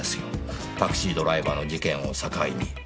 タクシードライバーの事件を境に。